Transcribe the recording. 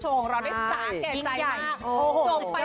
โปรดติดตามต่อไป